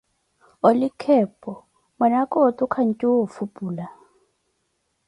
Olikha epo, mwaana otu khancuya ofupula.